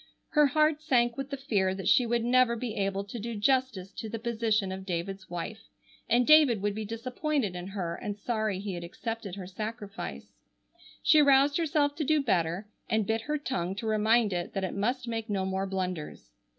Her heart sank with the fear that she would never be able to do justice to the position of David's wife, and David would be disappointed in her and sorry he had accepted her sacrifice. She roused herself to do better, and bit her tongue to remind it that it must make no more blunders.